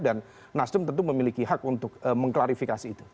dan nasdem tentu memiliki hak untuk mengklarifikasi itu